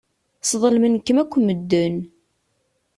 Sḍelmen-kem akk medden.